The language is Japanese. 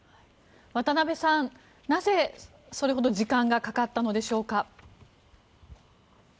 渡辺さん、なぜそれほど時間がかかったのでしょうか？